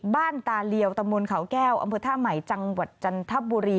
ตาเลียวตำบลเขาแก้วอำเภอท่าใหม่จังหวัดจันทบุรี